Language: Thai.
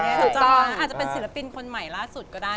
อาจจะเป็นศิลปินคนใหม่ล่าสุดก็ได้